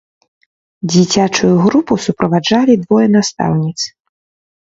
Дзіцячую групу суправаджалі двое настаўніц.